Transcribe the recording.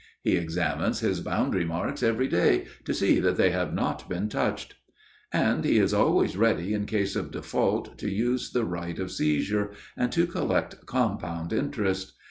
He examines his boundary marks every day to see that they have not been touched. And he is always ready in case of default to use the right of seizure and to collect compound interest.